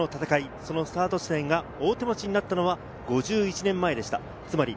そのスタート地点が大手町になったのは、５１年前でした。